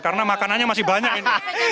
karena makanannya masih banyak ini